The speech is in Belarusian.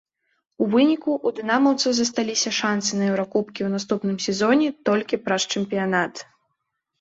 У выніку ў дынамаўцаў засталіся шанцы на еўракубкі ў наступным сезоне толькі праз чэмпіянат.